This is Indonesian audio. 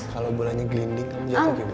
kalo bolanya gelinding kamu jagain aku gak